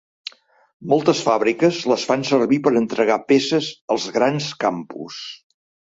Moltes fàbriques les fan servir per entregar peces als grans campus.